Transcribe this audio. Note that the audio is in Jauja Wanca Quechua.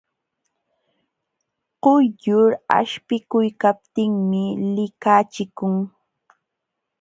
Quyllur aspikuykaptinmi likachikun.